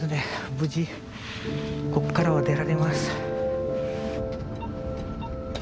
無事こっからは出られます。